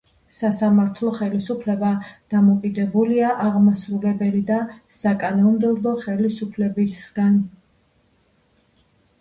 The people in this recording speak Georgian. სასამართლო ხელისუფლება დამოუკიდებელია აღმასრულებელი და საკანონმდებლო ხელისუფლებებისგან.